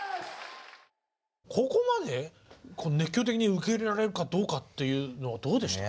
ここまで熱狂的に受け入れられるかどうかっていうのはどうでしたか？